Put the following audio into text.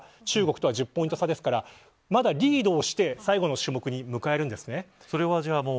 中国とは１０ポイント差ですからまだリードをして最後の種目に迎えるんです。